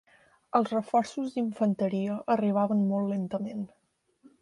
Els reforços d'infanteria arribaven molt lentament.